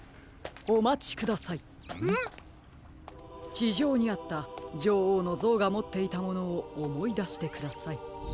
ちじょうにあったじょおうのぞうがもっていたものをおもいだしてください。